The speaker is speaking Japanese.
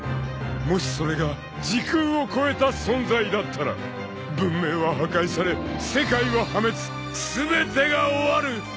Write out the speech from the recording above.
［もしそれが時空を超えた存在だったら文明は破壊され世界は破滅全てが終わる！］